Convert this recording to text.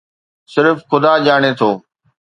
صرف خدا ڄاڻي ٿو.